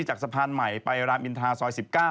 จากสะพานใหม่ไปรามอินทาซอย๑๙